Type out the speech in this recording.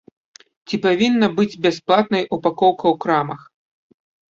Ці павінна быць бясплатнай упакоўка ў крамах?